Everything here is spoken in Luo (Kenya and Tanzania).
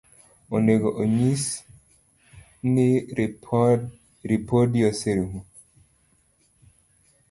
Onego onyis ni ripodi oserumo